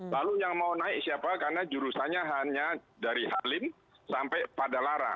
lalu yang mau naik siapa karena jurusannya hanya dari halim sampai padalarang